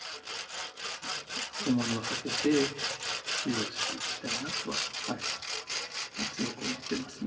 思いをはせて供養していきたいなとははい強く思ってますね。